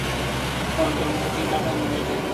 অন্যদের মতো টিনটা নেড়ে দেখবে।